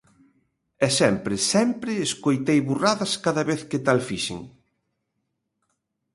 E sempre, sempre, escoitei burradas cada vez que tal fixen.